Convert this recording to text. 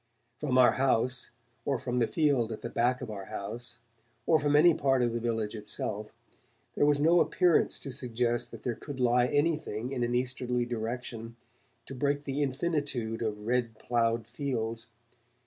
From our house, or from the field at the back of our house, or from any part of the village itself, there was no appearance to suggest that there could lie anything in an easterly direction to break the infinitude of red ploughed fields.